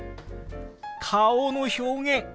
顔の表現！